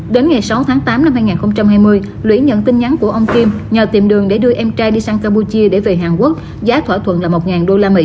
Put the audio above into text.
đến ngày sáu tháng tám năm hai nghìn hai mươi lũy nhận tin nhắn của ông kim nhờ tìm đường để đưa em trai đi sang campuchia để về hàn quốc giá thỏa thuận là một usd